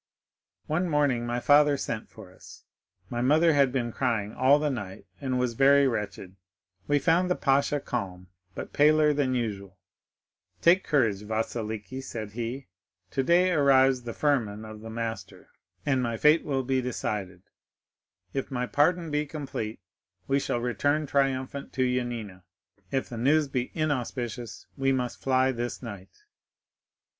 "One morning my father sent for us; my mother had been crying all the night, and was very wretched; we found the pasha calm, but paler than usual. 'Take courage, Vasiliki,' said he; 'today arrives the firman of the master, and my fate will be decided. If my pardon be complete, we shall return triumphant to Yanina; if the news be inauspicious, we must fly this night.